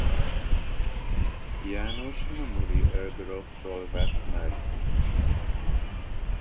János namuri őrgróftól vett meg.